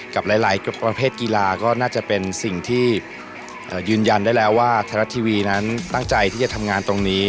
กับหลายประเภทกีฬาก็น่าจะเป็นสิ่งที่ยืนยันได้แล้วว่าไทยรัฐทีวีนั้นตั้งใจที่จะทำงานตรงนี้